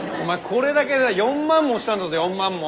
これだけで４万もしたんだぜ４万も。